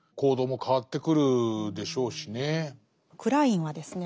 クラインはですね